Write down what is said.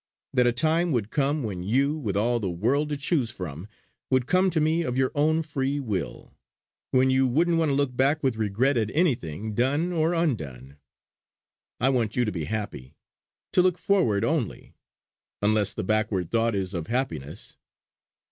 That a time would come when you, with all the world to choose from, would come to me of your own free will. When you wouldn't want to look back with regret at anything, done or undone. I want you to be happy; to look forward only unless the backward thought is of happiness.